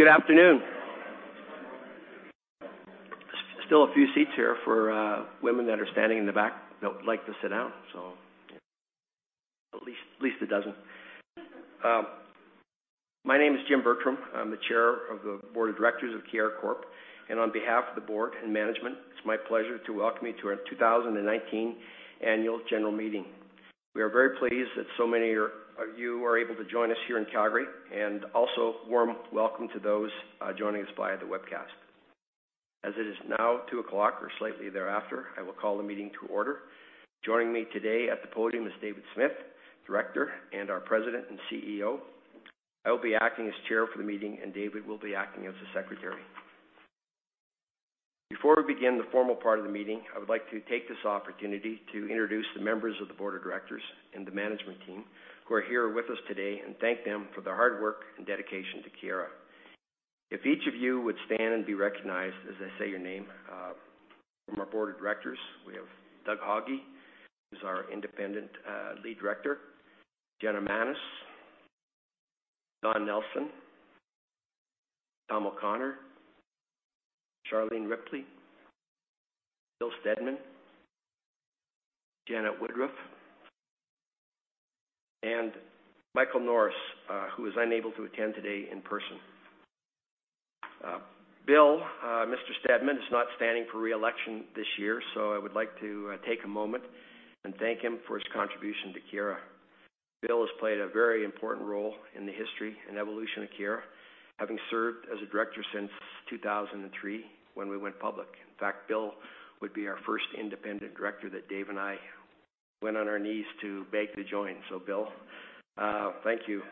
Good afternoon. Still a few seats here for women that are standing in the back that would like to sit down, so at least a dozen. My name is Jim Bertram. I'm the Chair of the Board of Directors of Keyera Corp. On behalf of the board and management, it's my pleasure to welcome you to our 2019 annual general meeting. We are very pleased that so many of you are able to join us here in Calgary, also warm welcome to those joining us via the webcast. As it is now 2:00 or slightly thereafter, I will call the meeting to order. Joining me today at the podium is David Smith, Director and our President and CEO. I will be acting as Chair for the meeting, David will be acting as the Secretary. Before we begin the formal part of the meeting, I would like to take this opportunity to introduce the members of the Board of Directors and the management team who are here with us today and thank them for their hard work and dedication to Keyera. If each of you would stand and be recognized as I say your name. From our Board of Directors, we have Doug Haughey, who's our Independent Lead Director. Gianna Manes, Don Nelson, Tom O'Connor, Charlene Ripley, Bill Stedman, Janet Woodruff, and Michael Norris, who was unable to attend today in person. Bill, Mr. Stedman, is not standing for re-election this year. I would like to take a moment and thank him for his contribution to Keyera. Bill has played a very important role in the history and evolution of Keyera, having served as a Director since 2003 when we went public. In fact, Bill would be our first independent Director that Dave and I went on our knees to beg to join. Bill, thank you.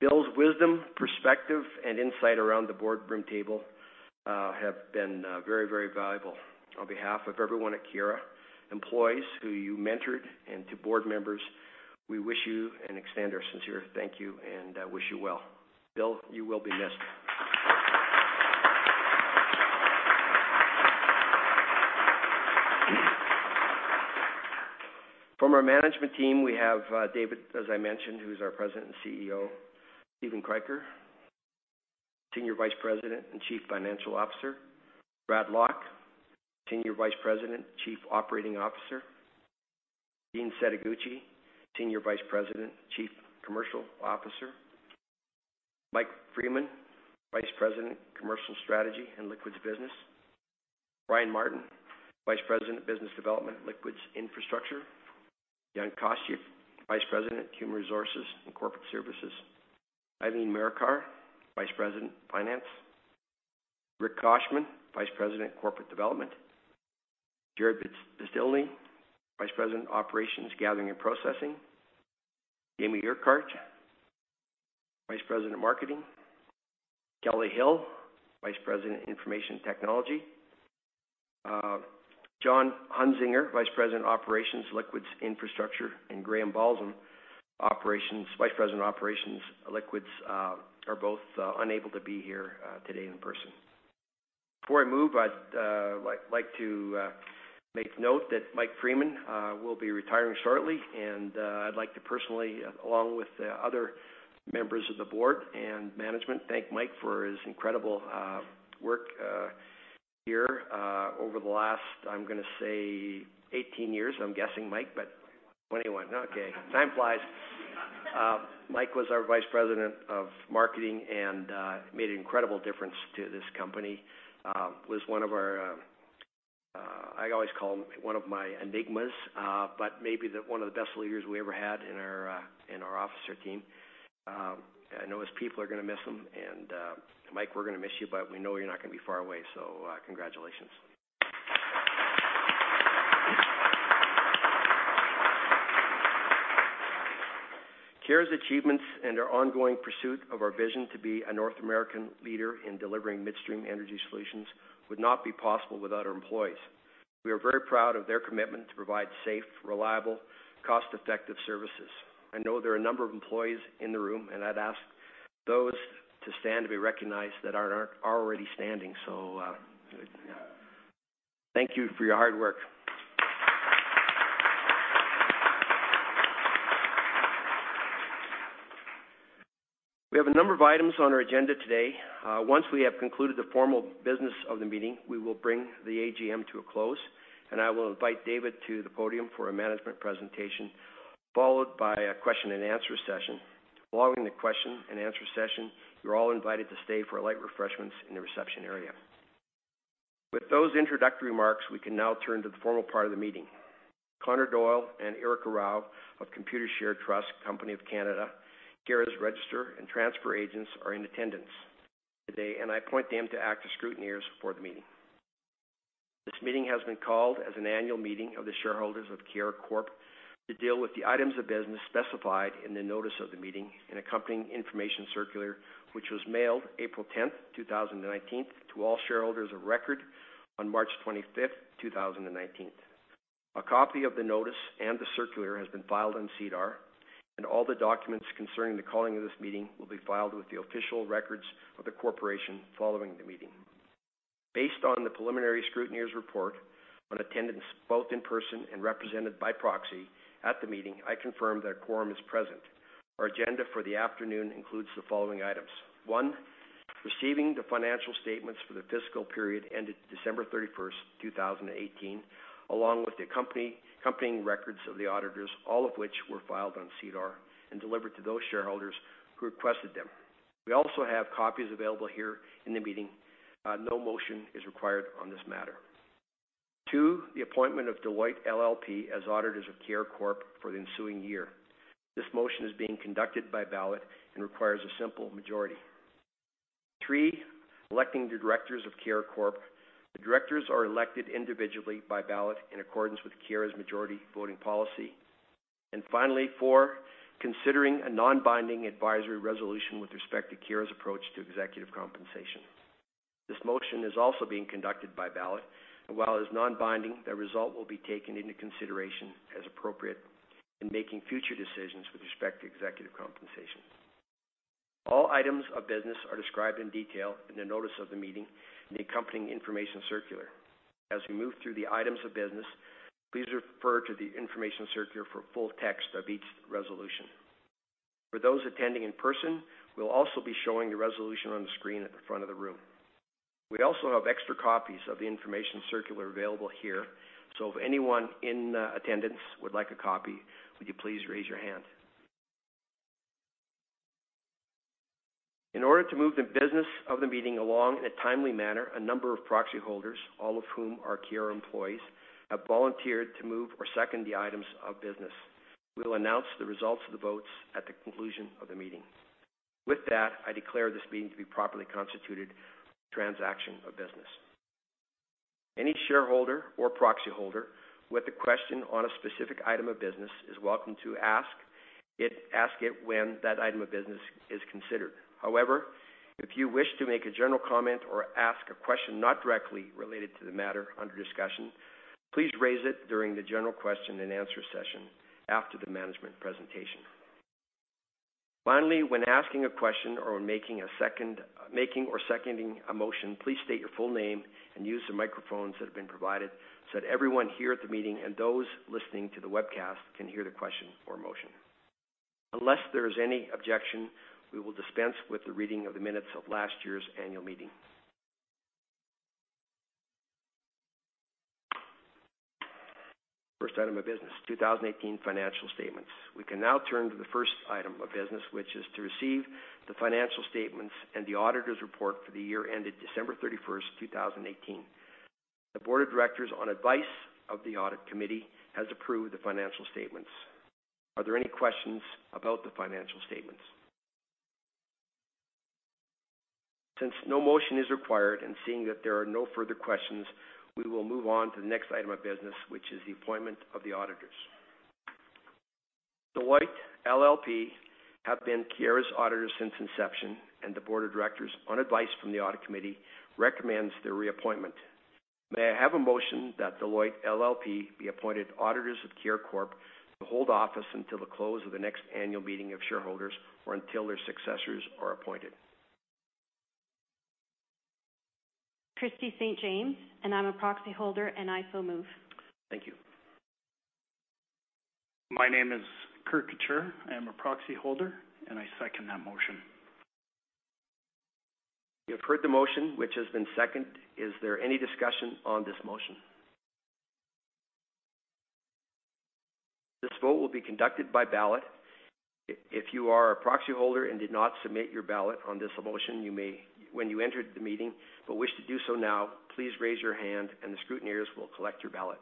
Bill's wisdom, perspective, and insight around the boardroom table have been very valuable. On behalf of everyone at Keyera, employees who you mentored and to board members, we wish you and extend our sincere thank you and wish you well. Bill, you will be missed. From our management team, we have David, as I mentioned, who's our President and CEO. Steven Kroeker, Senior Vice President and Chief Financial Officer. Brad Lock, Senior Vice President, Chief Operating Officer. Dean Setoguchi, Senior Vice President, Chief Commercial Officer. Mike Freeman, Vice President, Commercial Strategy and Liquids Business. Brian Martin, Vice President of Business Development, Liquids Infrastructure. Jan Kostuch, Vice President, Human Resources and Corporate Services. Eileen Marikar, Vice President, Finance. Rick Koshman, Vice President, Corporate Development. Jarrod Beztilny, Vice President, Operations, Gathering and Processing. Jamie Urquhart, Vice President of Marketing. Kelly Hill, Vice President, Information Technology. John Hunszinger, Vice President, Operations, Liquids, Infrastructure, Graham Balzun, Vice President of Operations, Liquids, are both unable to be here today in person. Before I move, I'd like to make note that Mike Freeman will be retiring shortly. I'd like to personally, along with the other members of the board and management, thank Mike for his incredible work here over the last, I'm going to say 18 years, I'm guessing, Mike. 21. 21. Okay. Time flies. Mike was our vice president of marketing and made an incredible difference to this company. Was one of our I always call him one of my enigmas but maybe one of the best leaders we ever had in our officer team. I know his people are going to miss him and, Mike, we're going to miss you, but we know you're not going to be far away, so congratulations. Keyera's achievements and our ongoing pursuit of our vision to be a North American leader in delivering midstream energy solutions would not be possible without our employees. We are very proud of their commitment to provide safe, reliable, cost-effective services. I know there are a number of employees in the room, and I'd ask those to stand to be recognized that are already standing. Thank you for your hard work. We have a number of items on our agenda today. Once we have concluded the formal business of the meeting, we will bring the AGM to a close, and I will invite David to the podium for a management presentation, followed by a question and answer session. Following the question and answer session, you're all invited to stay for light refreshments in the reception area. With those introductory remarks, we can now turn to the formal part of the meeting. Connor Doyle and Erica Rao of Computershare Trust Company of Canada, Keyera's register and transfer agents, are in attendance today, and I appoint them to act as scrutineers for the meeting. This meeting has been called as an annual meeting of the shareholders of Keyera Corp. to deal with the items of business specified in the notice of the meeting and accompanying information circular, which was mailed April 10th, 2019, to all shareholders of record on March 25th, 2019. A copy of the notice and the circular has been filed on SEDAR, and all the documents concerning the calling of this meeting will be filed with the official records of the corporation following the meeting. Based on the preliminary scrutineers report on attendance, both in person and represented by proxy at the meeting, I confirm that a quorum is present. Our agenda for the afternoon includes the following items. One, receiving the financial statements for the fiscal period ended December 31st, 2018, along with the accompanying records of the auditors, all of which were filed on SEDAR and delivered to those shareholders who requested them. We also have copies available here in the meeting. No motion is required on this matter. Two, the appointment of Deloitte LLP as auditors of Keyera Corp. for the ensuing year. This motion is being conducted by ballot and requires a simple majority. Three, electing the directors of Keyera Corp. The directors are elected individually by ballot in accordance with Keyera's majority voting policy. Finally, four, considering a non-binding advisory resolution with respect to Keyera's approach to executive compensation. This motion is also being conducted by ballot, and while it is non-binding, the result will be taken into consideration as appropriate in making future decisions with respect to executive compensation. All items of business are described in detail in the notice of the meeting and the accompanying information circular. As we move through the items of business, please refer to the information circular for full text of each resolution. For those attending in person, we'll also be showing the resolution on the screen at the front of the room. We also have extra copies of the information circular available here, so if anyone in attendance would like a copy, would you please raise your hand? In order to move the business of the meeting along in a timely manner, a number of proxy holders, all of whom are Keyera employees, have volunteered to move or second the items of business. We will announce the results of the votes at the conclusion of the meeting. With that, I declare this meeting to be properly constituted for transaction of business. Any shareholder or proxy holder with a question on a specific item of business is welcome to ask it when that item of business is considered. If you wish to make a general comment or ask a question not directly related to the matter under discussion, please raise it during the general question and answer session after the management presentation. When asking a question or making or seconding a motion, please state your full name and use the microphones that have been provided so that everyone here at the meeting and those listening to the webcast can hear the question or motion. Unless there is any objection, we will dispense with the reading of the minutes of last year's annual meeting. First item of business, 2018 financial statements. We can now turn to the first item of business, which is to receive the financial statements and the auditors report for the year ended December 31st, 2018. The board of directors, on advice of the audit committee, has approved the financial statements. Are there any questions about the financial statements? No motion is required, seeing that there are no further questions, we will move on to the next item of business, which is the appointment of the auditors. Deloitte LLP have been Keyera's auditors since inception, the board of directors, on advice from the audit committee, recommends their reappointment. May I have a motion that Deloitte LLP be appointed auditors of Keyera Corp. to hold office until the close of the next annual meeting of shareholders or until their successors are appointed? Christy St. James, I'm a proxy holder, I so move. Thank you. My name is Kurt Couture. I am a proxy holder, and I second that motion. You have heard the motion, which has been seconded. Is there any discussion on this motion? This vote will be conducted by ballot. If you are a proxy holder and did not submit your ballot on this motion when you entered the meeting but wish to do so now, please raise your hand and the scrutineers will collect your ballot.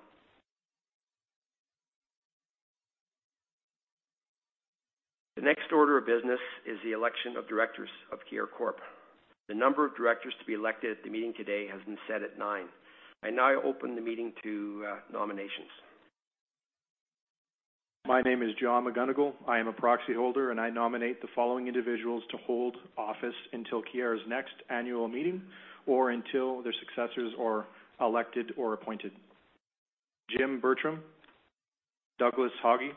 The next order of business is the election of directors of Keyera Corp. The number of directors to be elected at the meeting today has been set at nine. I now open the meeting to nominations. My name is John McGunigal. I am a proxy holder, and I nominate the following individuals to hold office until Keyera's next annual meeting or until their successors are elected or appointed: Jim Bertram, Douglas Haughey,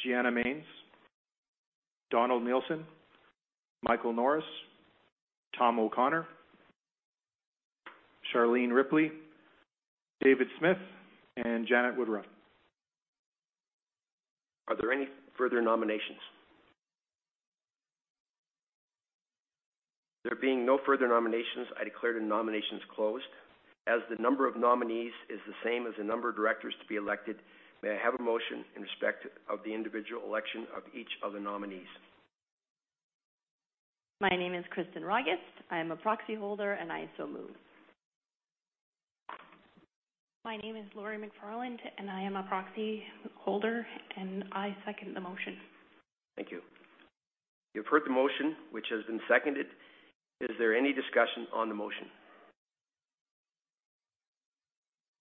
Gianna Manes, Donald Nelson, Michael Norris, Tom O'Connor, Charlene Ripley, David Smith, and Janet Woodruff. Are there any further nominations? There being no further nominations, I declare the nominations closed. As the number of nominees is the same as the number of directors to be elected, may I have a motion in respect of the individual election of each of the nominees? My name is Kristen Rogest. I am a proxy holder. I so move. My name is Lori McFarland. I am a proxy holder. I second the motion. Thank you. You have heard the motion, which has been seconded. Is there any discussion on the motion?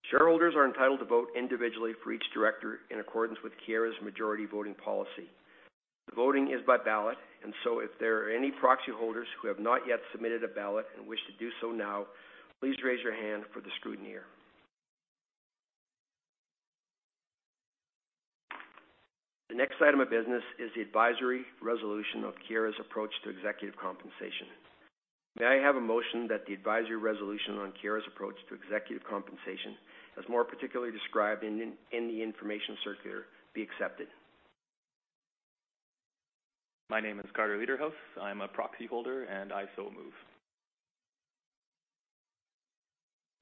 Shareholders are entitled to vote individually for each director in accordance with Keyera's majority voting policy. The voting is by ballot. If there are any proxy holders who have not yet submitted a ballot and wish to do so now, please raise your hand for the scrutineer. The next item of business is the advisory resolution of Keyera's approach to executive compensation. May I have a motion that the advisory resolution on Keyera's approach to executive compensation, as more particularly described in the information circular, be accepted? My name is Carter Lederhos. I'm a proxy holder. I so move.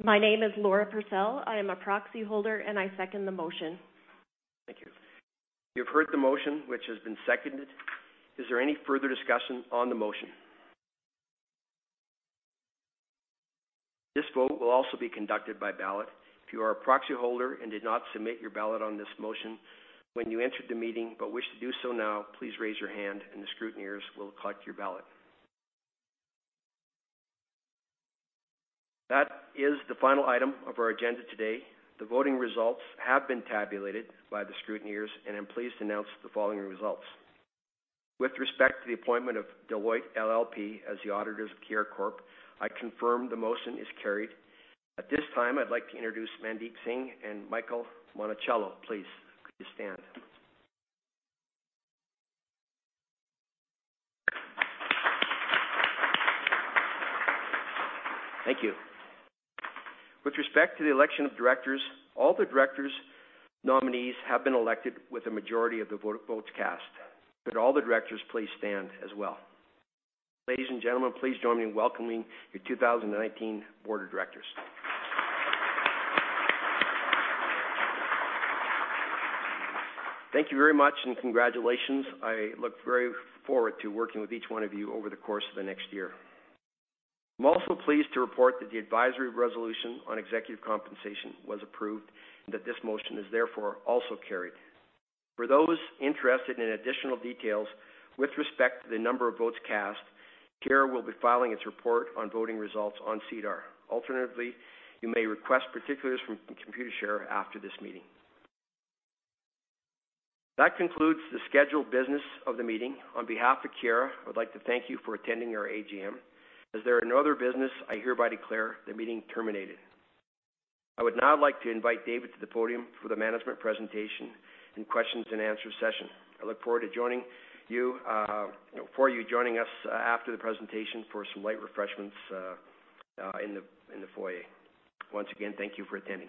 My name is Laura Purcell. I am a proxy holder, and I second the motion. Thank you. You've heard the motion, which has been seconded. Is there any further discussion on the motion? This vote will also be conducted by ballot. If you are a proxy holder and did not submit your ballot on this motion when you entered the meeting but wish to do so now, please raise your hand and the scrutineers will collect your ballot. That is the final item of our agenda today. The voting results have been tabulated by the scrutineers, and I'm pleased to announce the following results. With respect to the appointment of Deloitte LLP as the auditors of Keyera Corp, I confirm the motion is carried. At this time, I'd like to introduce Mandeep Singh and Michael Monachello. Please, could you stand? Thank you. With respect to the election of directors, all the directors nominees have been elected with a majority of the votes cast. Could all the directors please stand as well? Ladies and gentlemen, please join me in welcoming your 2019 Board of Directors. Thank you very much, and congratulations. I look very forward to working with each one of you over the course of the next year. I'm also pleased to report that the advisory resolution on executive compensation was approved and that this motion is therefore also carried. For those interested in additional details with respect to the number of votes cast, Keyera will be filing its report on voting results on SEDAR. Alternatively, you may request particulars from Computershare after this meeting. That concludes the scheduled business of the meeting. On behalf of Keyera, I would like to thank you for attending our AGM. As there are no other business, I hereby declare the meeting terminated. I would now like to invite David to the podium for the management presentation and question and answer session. I look forward to you joining us after the presentation for some light refreshments in the foyer. Once again, thank you for attending.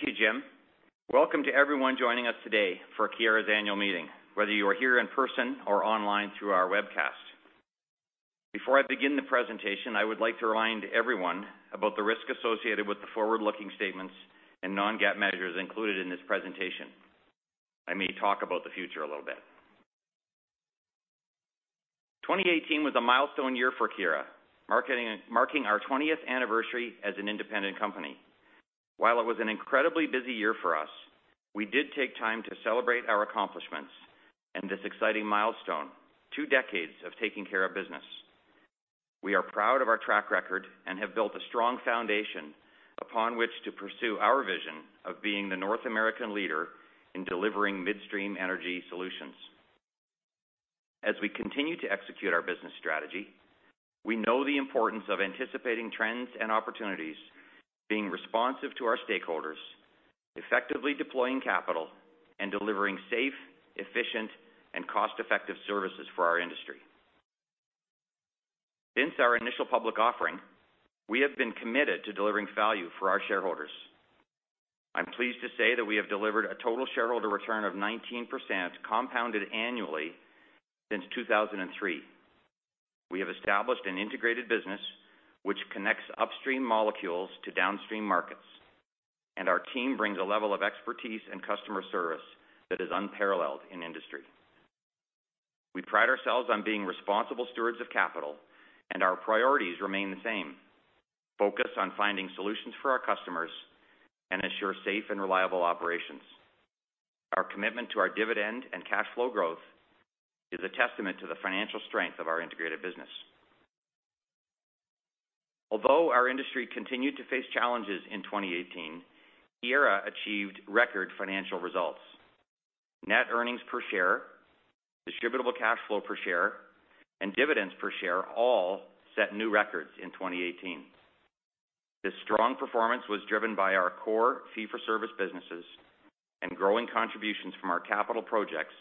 Thank you, Jim. Thank you, Jim. Welcome to everyone joining us today for Keyera's annual meeting, whether you are here in person or online through our webcast. Before I begin the presentation, I would like to remind everyone about the risk associated with the forward-looking statements and non-GAAP measures included in this presentation. I may talk about the future a little bit. 2018 was a milestone year for Keyera, marking our 20th anniversary as an independent company. While it was an incredibly busy year for us, we did take time to celebrate our accomplishments and this exciting milestone, two decades of taking care of business. We are proud of our track record and have built a strong foundation upon which to pursue our vision of being the North American leader in delivering midstream energy solutions. As we continue to execute our business strategy, we know the importance of anticipating trends and opportunities, being responsive to our stakeholders, effectively deploying capital, and delivering safe, efficient, and cost-effective services for our industry. Since our initial public offering, we have been committed to delivering value for our shareholders. I am pleased to say that we have delivered a total shareholder return of 19% compounded annually since 2003. We have established an integrated business which connects upstream molecules to downstream markets. Our team brings a level of expertise and customer service that is unparalleled in industry. We pride ourselves on being responsible stewards of capital. Our priorities remain the same: Focus on finding solutions for our customers and ensure safe and reliable operations. Our commitment to our dividend and cash flow growth is a testament to the financial strength of our integrated business. Although our industry continued to face challenges in 2018, Keyera achieved record financial results. Net earnings per share, distributable cash flow per share, and dividends per share all set new records in 2018. This strong performance was driven by our core fee-for-service businesses and growing contributions from our capital projects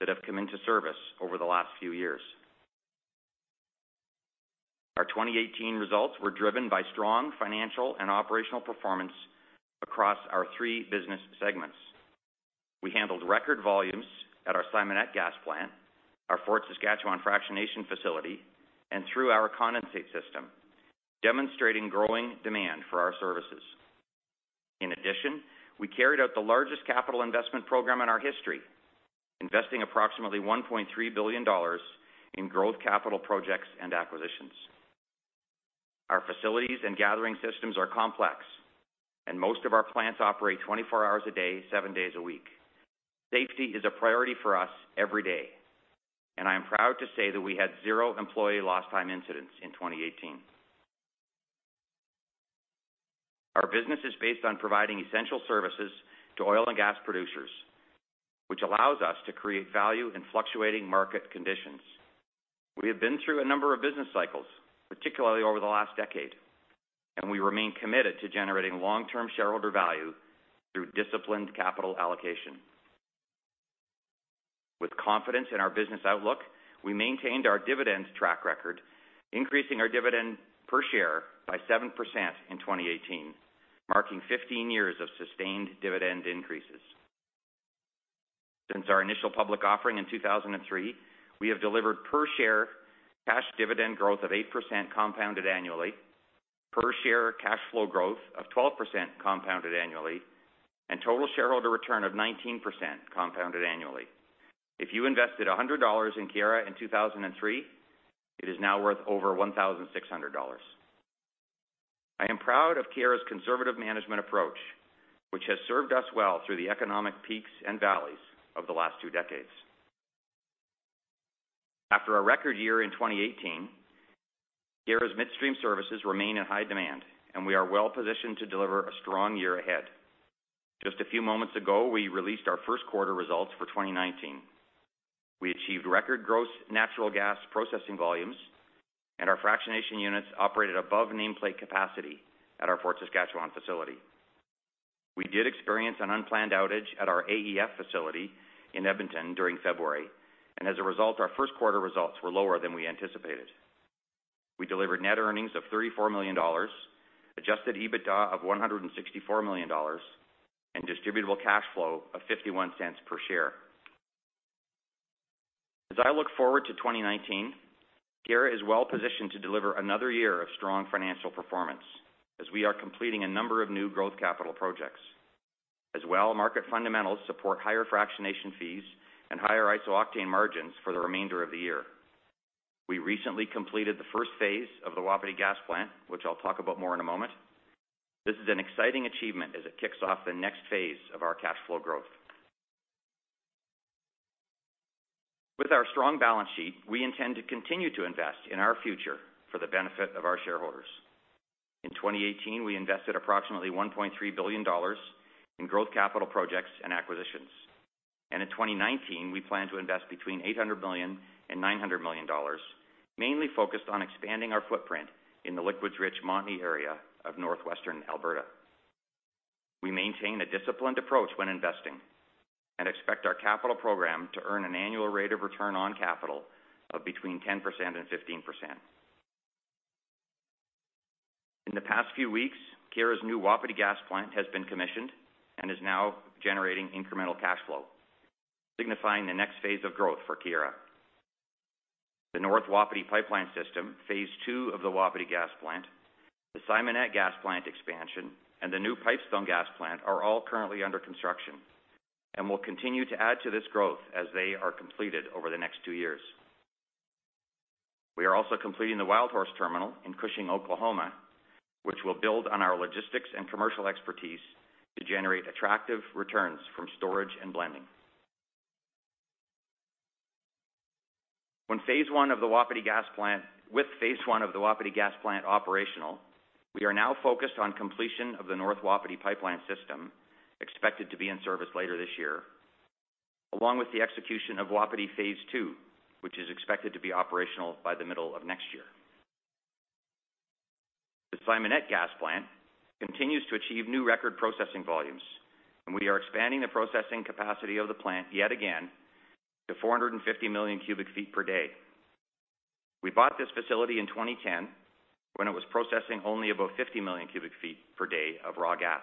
that have come into service over the last few years. Our 2018 results were driven by strong financial and operational performance across our three business segments. We handled record volumes at our Simonette gas plant, our Fort Saskatchewan fractionation facility, and through our condensate system, demonstrating growing demand for our services. In addition, we carried out the largest capital investment program in our history, investing approximately 1.3 billion dollars in growth capital projects and acquisitions. Our facilities and gathering systems are complex. Most of our plants operate 24 hours a day, seven days a week. Safety is a priority for us every day. I am proud to say that we had zero employee lost time incidents in 2018. Our business is based on providing essential services to oil and gas producers, which allows us to create value in fluctuating market conditions. We have been through a number of business cycles, particularly over the last decade. We remain committed to generating long-term shareholder value through disciplined capital allocation. With confidence in our business outlook, we maintained our dividends track record, increasing our dividend per share by 7% in 2018, marking 15 years of sustained dividend increases. Since our initial public offering in 2003, we have delivered per share cash dividend growth of 8% compounded annually, per share cash flow growth of 12% compounded annually, and total shareholder return of 19% compounded annually. If you invested 100 dollars in Keyera in 2003, it is now worth over 1,600 dollars. I am proud of Keyera's conservative management approach, which has served us well through the economic peaks and valleys of the last two decades. After a record year in 2018, Keyera's midstream services remain in high demand. We are well-positioned to deliver a strong year ahead. Just a few moments ago, we released our first quarter results for 2019. We achieved record gross natural gas processing volumes. Our fractionation units operated above nameplate capacity at our Fort Saskatchewan facility. We did experience an unplanned outage at our AEF facility in Edmonton during February. As a result, our first quarter results were lower than we anticipated. We delivered net earnings of 34 million dollars, adjusted EBITDA of 164 million dollars and distributable cash flow of 0.51 per share. In 2019, Keyera is well-positioned to deliver another year of strong financial performance as we are completing a number of new growth capital projects. Market fundamentals support higher fractionation fees and higher isooctane margins for the remainder of the year. We recently completed the first phase of the Wapiti gas plant, which I'll talk about more in a moment. This is an exciting achievement as it kicks off the next phase of our cash flow growth. With our strong balance sheet, we intend to continue to invest in our future for the benefit of our shareholders. In 2018, we invested approximately 1.3 billion dollars in growth capital projects and acquisitions. In 2019, we plan to invest between 800 million and 900 million dollars, mainly focused on expanding our footprint in the liquids-rich Montney area of northwestern Alberta. We maintain a disciplined approach when investing and expect our capital program to earn an annual rate of return on capital of between 10% and 15%. In the past few weeks, Keyera's new Wapiti gas plant has been commissioned and is now generating incremental cash flow, signifying the next phase of growth for Keyera. The North Wapiti Pipeline System, phase 2 of the Wapiti gas plant, the Simonette gas plant expansion, and the new Pipestone gas plant are all currently under construction and will continue to add to this growth as they are completed over the next two years. We are also completing the Wildhorse terminal in Cushing, Oklahoma, which will build on our logistics and commercial expertise to generate attractive returns from storage and blending. With phase 1 of the Wapiti gas plant operational, we are now focused on completion of the North Wapiti Pipeline System, expected to be in service later this year, along with the execution of Wapiti phase 2, which is expected to be operational by the middle of next year. The Simonette gas plant continues to achieve new record processing volumes, and we are expanding the processing capacity of the plant yet again to 450 million cubic feet per day. We bought this facility in 2010 when it was processing only about 50 million cubic feet per day of raw gas.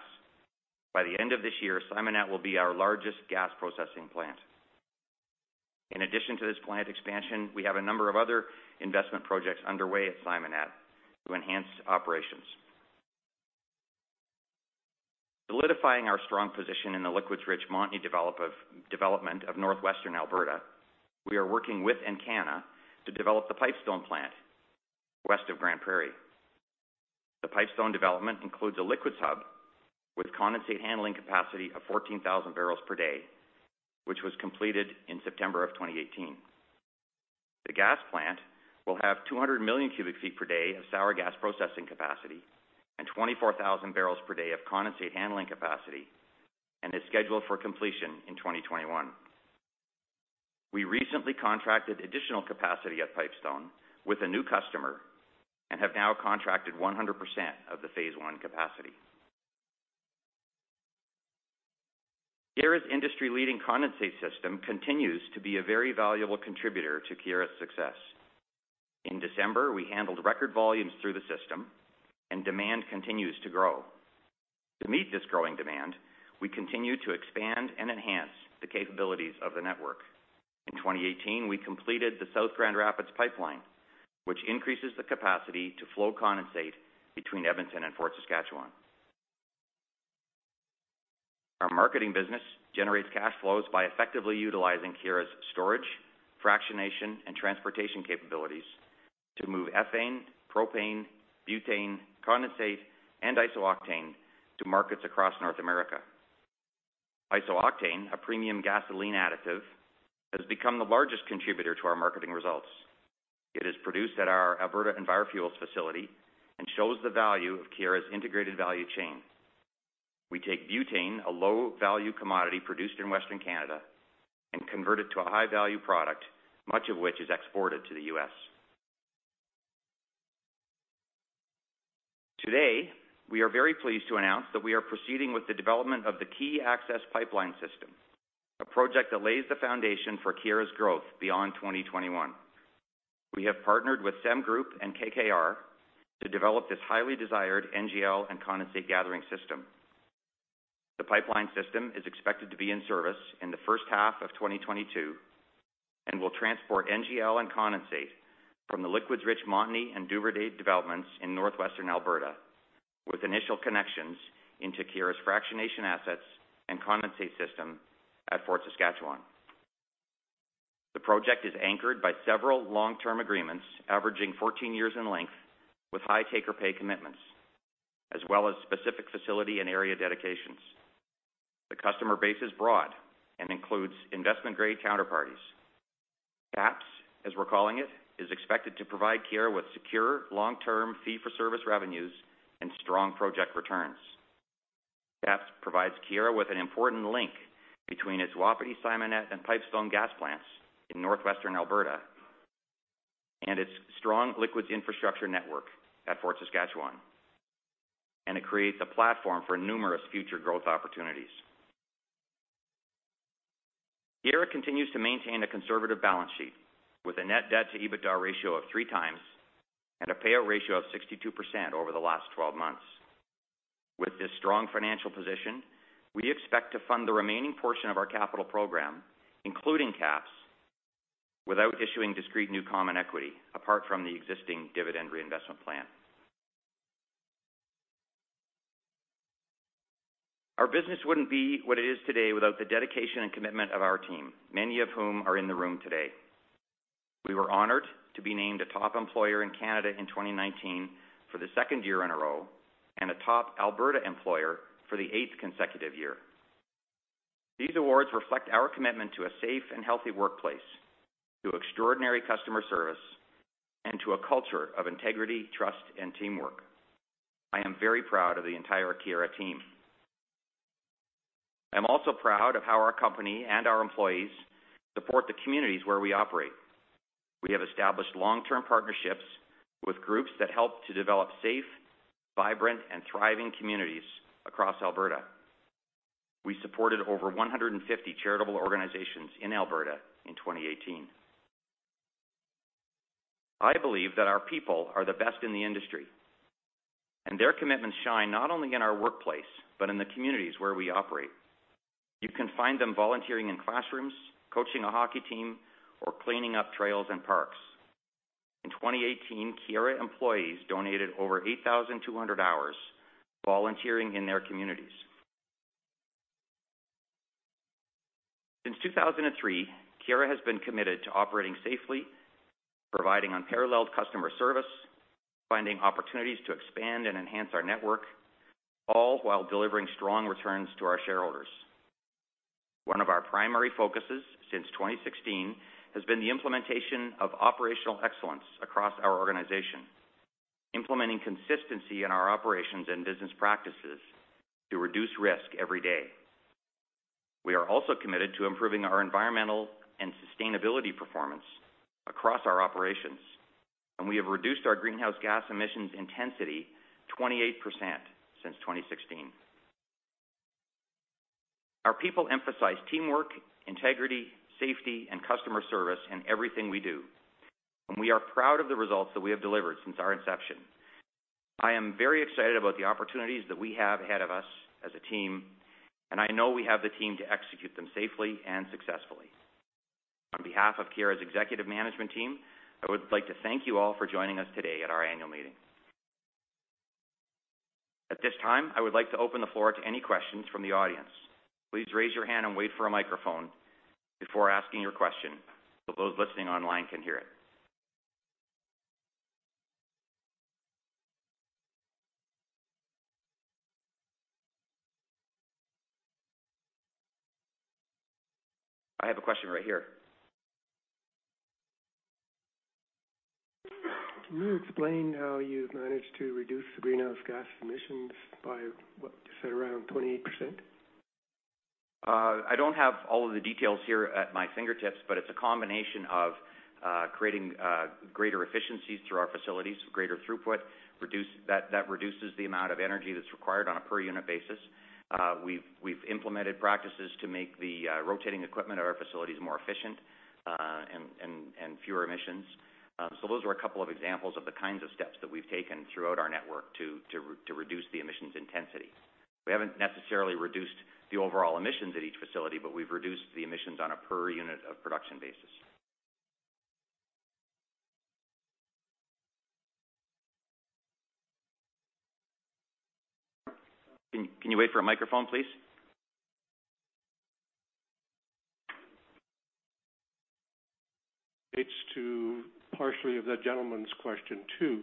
By the end of this year, Simonette will be our largest gas processing plant. In addition to this plant expansion, we have a number of other investment projects underway at Simonette to enhance operations. Solidifying our strong position in the liquids-rich Montney development of northwestern Alberta, we are working with Encana to develop the Pipestone plant west of Grande Prairie. The Pipestone development includes a liquids hub with condensate handling capacity of 14,000 barrels per day, which was completed in September of 2018. The gas plant will have 200 million cubic feet per day of sour gas processing capacity and 24,000 barrels per day of condensate handling capacity and is scheduled for completion in 2021. We recently contracted additional capacity at Pipestone with a new customer and have now contracted 100% of the phase 1 capacity. Keyera's industry-leading condensate system continues to be a very valuable contributor to Keyera's success. In December, we handled record volumes through the system and demand continues to grow. To meet this growing demand, we continue to expand and enhance the capabilities of the network. In 2018, we completed the South Grand Rapids pipeline, which increases the capacity to flow condensate between Edmonton and Fort Saskatchewan. Our marketing business generates cash flows by effectively utilizing Keyera's storage, fractionation, and transportation capabilities to move ethane, propane, butane, condensate, and isooctane to markets across North America. Isooctane, a premium gasoline additive, has become the largest contributor to our marketing results. It is produced at our Alberta EnviroFuels facility and shows the value of Keyera's integrated value chain. We take butane, a low-value commodity produced in Western Canada, and convert it to a high-value product, much of which is exported to the U.S. Today, we are very pleased to announce that we are proceeding with the development of the Key Access Pipeline System, a project that lays the foundation for Keyera's growth beyond 2021. We have partnered with SemGroup and KKR to develop this highly desired NGL and condensate gathering system. The pipeline system is expected to be in service in the first half of 2022, and will transport NGL and condensate from the liquids-rich Montney and Duvernay developments in northwestern Alberta, with initial connections into Keyera's fractionation assets and condensate system at Fort Saskatchewan. The project is anchored by several long-term agreements averaging 14 years in length with high take-or-pay commitments, as well as specific facility and area dedications. The customer base is broad and includes investment-grade counterparties. KAPS, as we're calling it, is expected to provide Keyera with secure, long-term fee-for-service revenues and strong project returns. KAPS provides Keyera with an important link between its Wapiti, Simonette, and Pipestone gas plants in northwestern Alberta and its strong liquids infrastructure network at Fort Saskatchewan, and it creates a platform for numerous future growth opportunities. Keyera continues to maintain a conservative balance sheet with a net debt-to-EBITDA ratio of three times and a payout ratio of 62% over the last 12 months. With this strong financial position, we expect to fund the remaining portion of our capital program, including KAPS, without issuing discrete new common equity apart from the existing dividend reinvestment plan. Our business wouldn't be what it is today without the dedication and commitment of our team, many of whom are in the room today. We were honored to be named a top employer in Canada in 2019 for the second year in a row, and a top Alberta employer for the eighth consecutive year. These awards reflect our commitment to a safe and healthy workplace, to extraordinary customer service, and to a culture of integrity, trust, and teamwork. I am very proud of the entire Keyera team. I'm also proud of how our company and our employees support the communities where we operate. We have established long-term partnerships with groups that help to develop safe, vibrant, and thriving communities across Alberta. We supported over 150 charitable organizations in Alberta in 2018. I believe that our people are the best in the industry, and their commitments shine not only in our workplace, but in the communities where we operate. You can find them volunteering in classrooms, coaching a hockey team, or cleaning up trails and parks. In 2018, Keyera employees donated over 8,200 hours volunteering in their communities. Since 2003, Keyera has been committed to operating safely, providing unparalleled customer service, finding opportunities to expand and enhance our network, all while delivering strong returns to our shareholders. One of our primary focuses since 2016 has been the implementation of operational excellence across our organization, implementing consistency in our operations and business practices to reduce risk every day. We are also committed to improving our environmental and sustainability performance across our operations, and we have reduced our greenhouse gas emissions intensity 28% since 2016. Our people emphasize teamwork, integrity, safety, and customer service in everything we do and we are proud of the results that we have delivered since our inception. I am very excited about the opportunities that we have ahead of us as a team, and I know we have the team to execute them safely and successfully. On behalf of Keyera's executive management team, I would like to thank you all for joining us today at our annual meeting. At this time, I would like to open the floor to any questions from the audience. Please raise your hand and wait for a microphone before asking your question so those listening online can hear it. I have a question right here. Can you explain how you've managed to reduce the greenhouse gas emissions by, what you said, around 28%? I don't have all of the details here at my fingertips, but it's a combination of creating greater efficiencies through our facilities, greater throughput. That reduces the amount of energy that's required on a per-unit basis. We've implemented practices to make the rotating equipment at our facilities more efficient and fewer emissions. Those are a couple of examples of the kinds of steps that we've taken throughout our network to reduce the emissions intensity. We haven't necessarily reduced the overall emissions at each facility, but we've reduced the emissions on a per-unit-of-production basis. Can you wait for a microphone, please? Partially of that gentleman's question, too.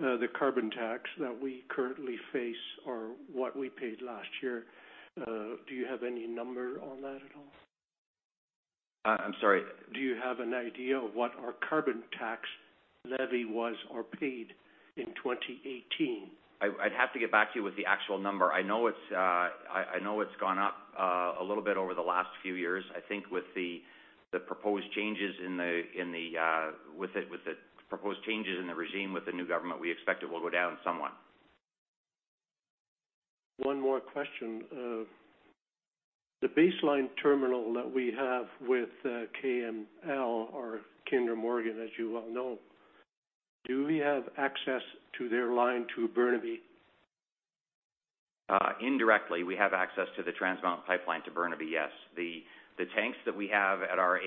The carbon tax that we currently face or what we paid last year, do you have any number on that at all? I'm sorry? Do you have an idea of what our carbon tax levy was or paid in 2018? I'd have to get back to you with the actual number. I know it's gone up a little bit over the last few years. I think with the proposed changes in the regime with the new government, we expect it will go down somewhat. One more question. The Base Line Terminal that we have with KML or Kinder Morgan, as you well know, do we have access to their line to Burnaby? Indirectly, we have access to the Trans Mountain Pipeline to Burnaby, yes. The tanks that we have at our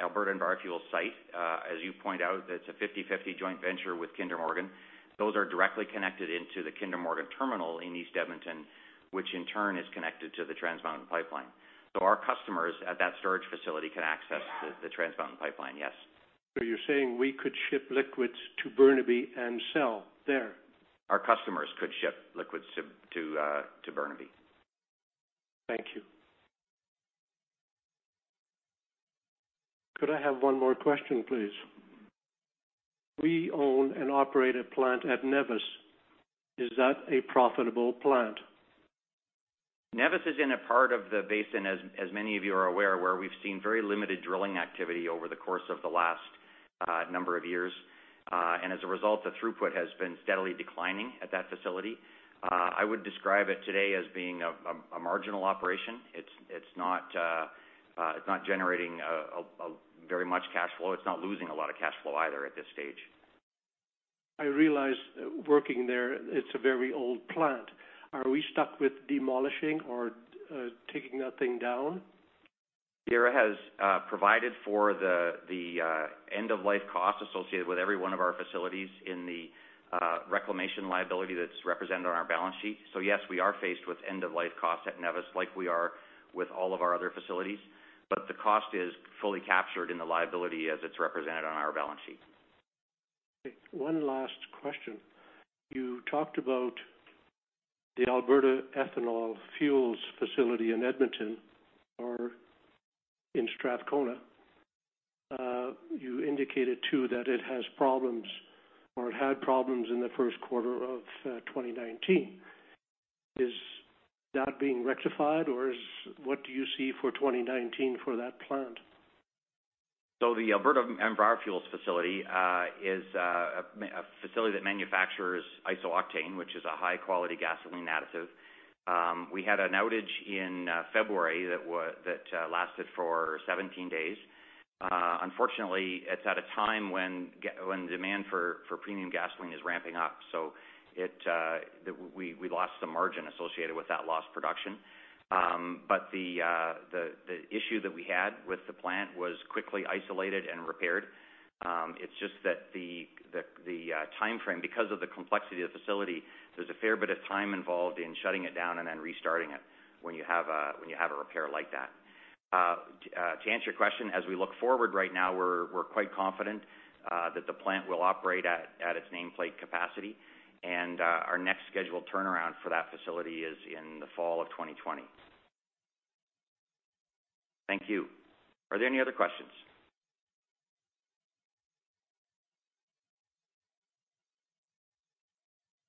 Alberta EnviroFuels site, as you point out, it's a 50-50 joint venture with Kinder Morgan. Those are directly connected into the Kinder Morgan terminal in East Edmonton, which in turn is connected to the Trans Mountain Pipeline. Our customers at that storage facility can access the Trans Mountain Pipeline, yes. You're saying we could ship liquids to Burnaby and sell there? Our customers could ship liquids to Burnaby. Thank you. Could I have one more question, please? We own and operate a plant at Nevis. Is that a profitable plant? Nevis is in a part of the basin, as many of you are aware, where we've seen very limited drilling activity over the course of the last number of years. As a result, the throughput has been steadily declining at that facility. I would describe it today as being a marginal operation. It's not generating very much cash flow. It's not losing a lot of cash flow either at this stage. I realize working there, it's a very old plant. Are we stuck with demolishing or taking that thing down? Keyera has provided for the end-of-life cost associated with every one of our facilities in the reclamation liability that's represented on our balance sheet. Yes, we are faced with end-of-life costs at Nevis like we are with all of our other facilities, the cost is fully captured in the liability as it's represented on our balance sheet. One last question. You talked about the Alberta EnviroFuels facility in Edmonton or in Strathcona. You indicated, too, that it has problems or it had problems in the first quarter of 2019. Is that being rectified, or what do you see for 2019 for that plant? The Alberta EnviroFuels facility is a facility that manufactures isooctane, which is a high-quality gasoline additive. We had an outage in February that lasted for 17 days. Unfortunately, it's at a time when demand for premium gasoline is ramping up, so we lost some margin associated with that lost production. The issue that we had with the plant was quickly isolated and repaired. It's just that the timeframe, because of the complexity of the facility, there's a fair bit of time involved in shutting it down and then restarting it when you have a repair like that. To answer your question, as we look forward right now, we're quite confident that the plant will operate at its nameplate capacity. Our next scheduled turnaround for that facility is in the fall of 2020. Thank you. Are there any other questions?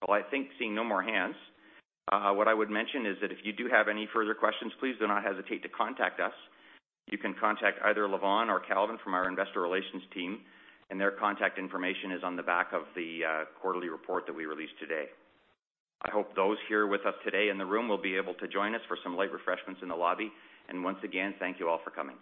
Well, I think seeing no more hands, what I would mention is that if you do have any further questions, please do not hesitate to contact us. You can contact either Lavonne Zdunich or Calvin from our investor relations team, and their contact information is on the back of the quarterly report that we released today. I hope those here with us today in the room will be able to join us for some light refreshments in the lobby. Once again, thank you all for coming.